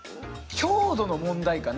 強度の問題かな？